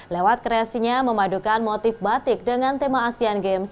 lewat kreasinya memadukan motif batik dengan tema asean games